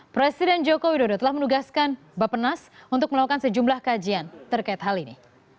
presiden joko widodo telah menugaskan bapak nas untuk melakukan sejumlah kajian terkait hal ini